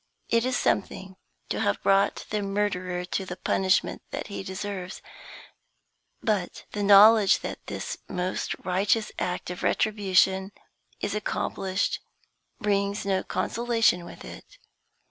It is something to have brought the murderer to the punishment that he deserves. But the knowledge that this most righteous act of retribution is accomplished brings no consolation with it.